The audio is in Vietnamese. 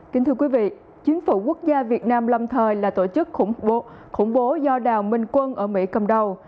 kính thưa quý vị chính phủ quốc gia việt nam lâm thời là tổ chức khủng bố do đào minh quân ở mỹ cầm đầu